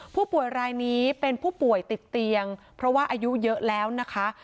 ผู้ป่วยรายนี้เป็นผู้ป่วยติดเตียงเพราะว่าอายุเยอะแล้วนะคะ